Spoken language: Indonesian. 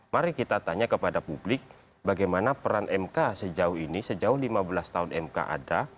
mari kita tanya kepada publik bagaimana peran mk sejauh ini sejauh lima belas tahun mk ada